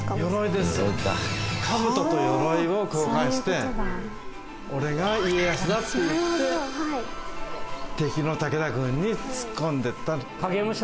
兜と鎧を交換して「俺が家康だ」って言って敵の武田軍に突っ込んでいった。